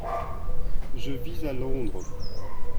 Je vis à Londres.